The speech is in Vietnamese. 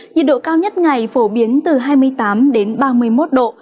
nhiệt độ cao nhất ngày phổ biến từ hai mươi tám đến ba mươi một độ